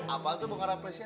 apaan tuh bunga rapresia